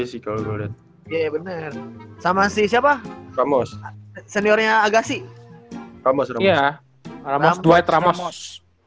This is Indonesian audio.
si kalau gue lihat iya bener sama siapa kamu seniornya agasi kamu sudah ya ramah ramah